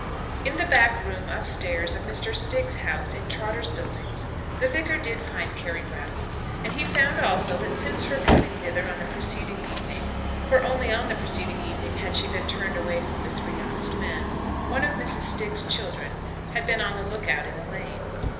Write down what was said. In the back room up stairs of Mr. Stiggs's house in Trotter's Buildings the Vicar did find Carry Brattle, and he found also that since her coming thither on the preceding evening, for only on the preceding evening had she been turned away from the Three Honest Men, one of Mrs. Stiggs's children had been on the look out in the lane.